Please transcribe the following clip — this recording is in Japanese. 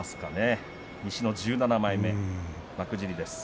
西の１７枚目、幕尻です。